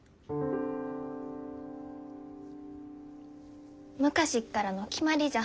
昔っからの決まりじゃ。